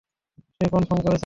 সে confirm করেছে।